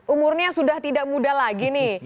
umurnya sudah tidak muda lagi nih